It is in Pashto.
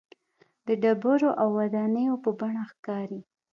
د ډبرو او ودانیو په بڼه ښکاري.